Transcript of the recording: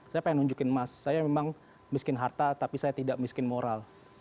saya pengen nunjukin mas saya memang miskin harta tapi saya tidak miskin moral